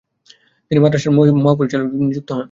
তিনি মাদ্রাসার মহাপরিচালক নিযুক্ত হন।